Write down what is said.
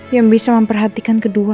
yang bisa memperhatikan kedua